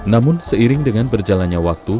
namun seiring dengan berjalannya waktu